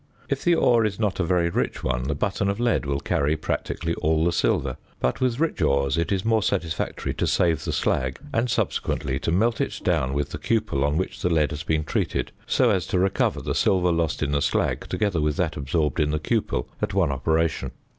If the ore is not a very rich one, the button of lead will carry practically all the silver; but with rich ores it is more satisfactory to save the slag, and subsequently to melt it down with the cupel on which the lead has been treated, so as to recover the silver lost in the slag, together with that absorbed in the cupel, at one operation.